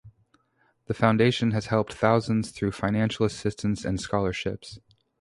The foundation has helped thousands through financial assistance and scholarships.